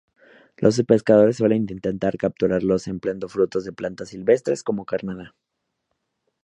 Los pescadores suelen intentar capturarlos empleando frutos de plantas silvestres como carnada.